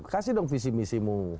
kasih dong visi visimu